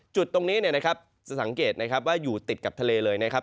จุดตรงนี้สนับสร้างเกตดูจอบด้วยซักครั้ง